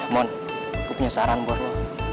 mon gue punya saran buat lo